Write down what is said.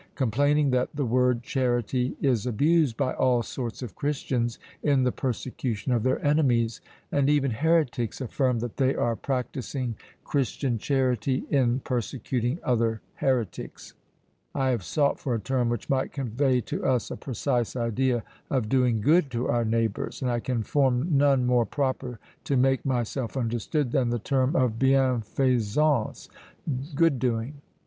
Complaining that "the word 'charity' is abused by all sorts of Christians in the persecution of their enemies, and even heretics affirm that they are practising Christian charity in persecuting other heretics, I have sought for a term which might convey to us a precise idea of doing good to our neighbours, and I can form none more proper to make myself understood than the term of bienfaisance, good doing.